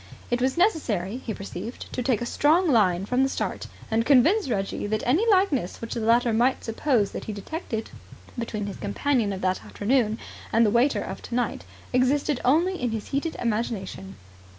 It was necessary, he perceived, to take a strong line from the start, and convince Reggie that any likeness which the latter might suppose that he detected between his companion of that afternoon and the waiter of tonight existed only in his heated imagination.